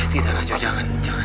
tidak raju jangan